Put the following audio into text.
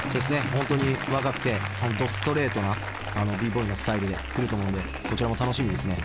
本当に若くてどストレートなＢＢＯＹのスタイルで来ると思うんでこちらも楽しみですね。